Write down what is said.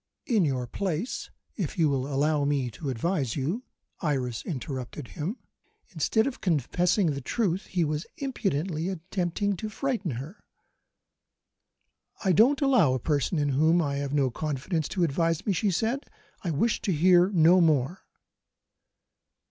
In your place, if you will allow me to advise you " Iris interrupted him. Instead of confessing the truth, he was impudently attempting to frighten her. "I don't allow a person in whom I have no confidence to advise me," she said; "I wish to hear no more."